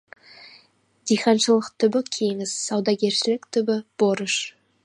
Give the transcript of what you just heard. Диханшылық түбі — кеңіс, саудагершілік түбі — борыш.